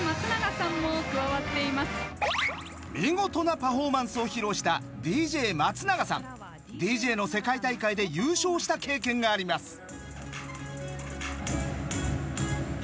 見事なパフォーマンスを披露したＤＪの世界大会で優勝した経験があります。